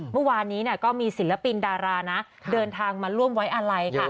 เมื่อวานนี้ก็มีศิลปินดารานะเดินทางมาร่วมไว้อาลัยค่ะ